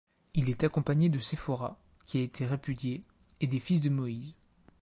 Il est accompagné de Séphora, qui a été répudiée, et des fils de Moïse.